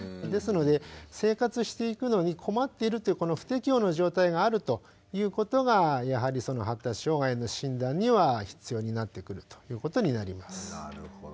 ですので生活していくのに困っているというこの「不適応」の状態があるということがやはりその発達障害の診断には必要になってくるということになります。